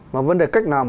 mà vấn đề cách làm